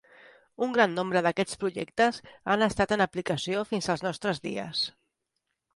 Un gran nombre d'aquests projectes han estat en aplicació fins als nostres dies.